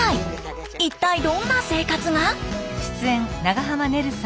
一体どんな生活が？